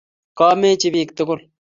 Komechi bik tugul.